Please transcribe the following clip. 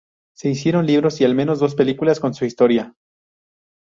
Se hicieron libros y al menos dos películas con su historia.